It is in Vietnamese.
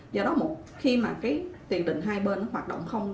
do đó khi tiền đình hai bên hoạt động